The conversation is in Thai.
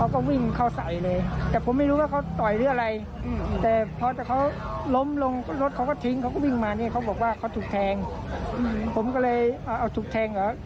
ก็วิ่งมาเนี่ยเขาบอกว่าเขาถูกแทงอืมผมก็เลยเอาถูกแทงหรอ